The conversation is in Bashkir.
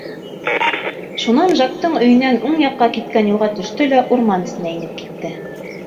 Шунан Жактың өйөнән уң яҡҡа киткән юлға төштө лә урман эсенә инеп китте.